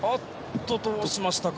どうしましたか。